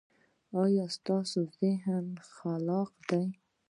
ایا ستاسو ذهن خلاق دی؟